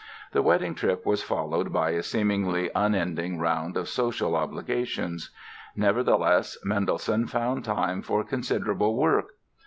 The wedding trip was followed by a seemingly unending round of social obligations. Nevertheless, Mendelssohn found time for considerable work.